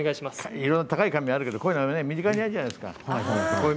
いろいろ高い紙があるけどこういう身近にある家にあるじゃないですか。